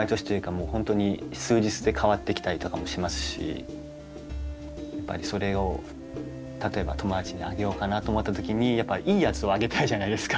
本当に数日で変わってきたりとかもしますしやっぱりそれを例えば友達にあげようかなと思ったときにやっぱりいいやつをあげたいじゃないですか。